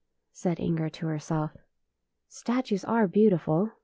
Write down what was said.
said Inger to herself. " Statues are beautiful.